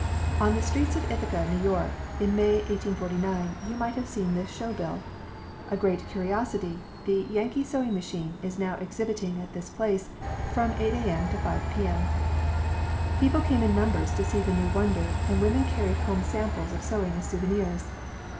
On the streets of Ithaca, New York, in May, 1849, 7^^ might have seen this show bill; A GREAT CURIOSITY THE YANKEE SEWING MACHINE IS NOW EXHIBITING AT THIS PLACE FROM 8 A. M. TO 5 P. M. People came in numbers to see the new wonder, and women carried home samples of sewing as souvenirs.